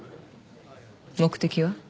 目的は？